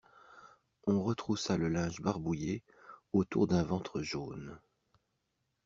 On retroussa le linge barbouillé autour d'un ventre jaune.